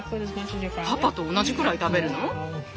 パパと同じくらい食べるの？